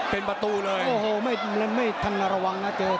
เป็นประตูเลยโอ้โหไม่ทันระวังนะเจอ